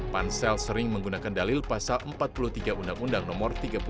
pansel sering menggunakan dalil pasal empat puluh tiga undang undang no tiga puluh satu